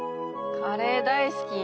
カレー大好き。